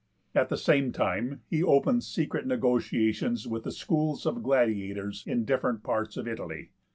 At the same time he opened secret negotiations with the schools of gladiators in different parts of Italy.